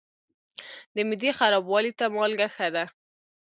د معدې خرابوالي ته مالګه ښه ده.